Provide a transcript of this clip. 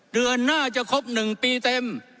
เดือนหน้าจะครบ๑ปีเต็ม